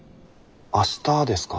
明日ですか？